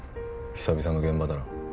久々の現場だろ